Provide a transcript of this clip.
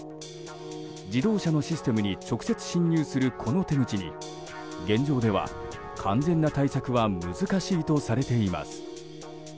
自動車のシステムに直接侵入するこの手口に現状では完全な対策は難しいとされています。